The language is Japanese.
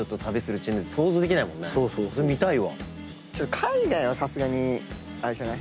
海外はさすがにあれじゃない？